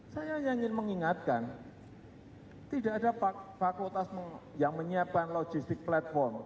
saya hanya ingin mengingatkan tidak ada fakultas yang menyiapkan logistik platform